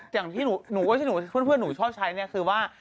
อย่างที่เพื่อนชอบใช้คือว่า